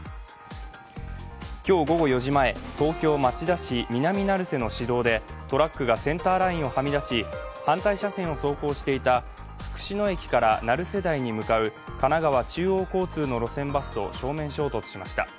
今日午後４時前、東京・町田市南成瀬の市道でトラックがセンターラインをはみ出し反対車線を走行していたつくし野から成瀬台に向かう神奈川中央交通の路線バスと正面衝突しました。